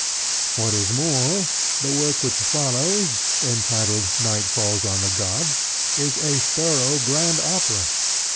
What is more, the work which follows, entitled Night Falls On The Gods, is a thorough grand opera.